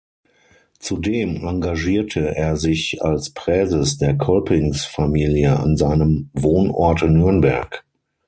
Zudem engagierte er sich als Präses der Kolpingsfamilie an seinem Wohnort Nürnberg.